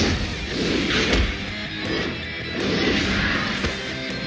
jika kau coba bikin penit racism baru saja kau akan diselamatkan orang lain